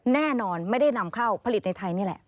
แน่นอนไม่ได้นำเข้าผลิตในไทยนี่แหละ